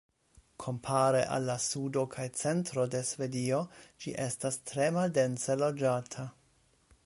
Kompare al la sudo kaj centro de Svedio, ĝi estas tre maldense loĝata.